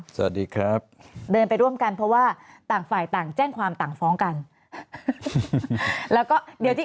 สวัสดีครับเดินไปร่วมกันเพราะว่าต่างฝ่ายต่างแจ้งความต่างฟ้องกันแล้วก็เดี๋ยวที่